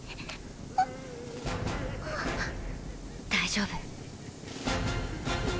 っ⁉大丈夫。